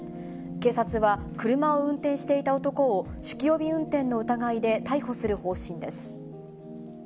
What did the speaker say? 警察は、車を運転していた男を酒気帯び運転の疑いで逮捕する方針です。